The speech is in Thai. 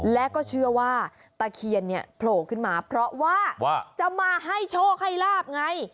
และก็เชื่อว่าตะเคียนเนี่ยโผล่ขึ้นมาเพราะว่าจะมาให้โชคให้ลาบไง